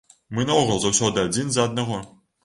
Мы наогул заўсёды адзін за аднаго.